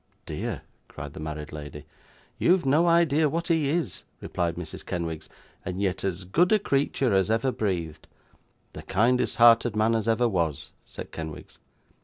'Dear!' cried the married lady. 'You've no idea what he is,' replied Mrs. Kenwigs; 'and yet as good a creature as ever breathed.' 'The kindest hearted man as ever was,' said Kenwigs.